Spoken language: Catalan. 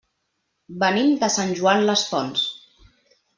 Venim de Sant Joan les Fonts.